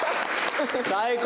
最高！